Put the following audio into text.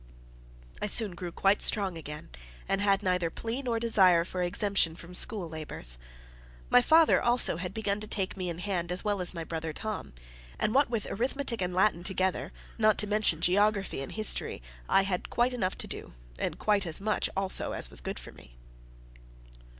I soon grew quite strong again, and had neither plea nor desire for exemption from school labours. My father also had begun to take me in hand as well as my brother Tom; and what with arithmetic and Latin together, not to mention geography and history, I had quite enough to do, and quite as much also as was good for me.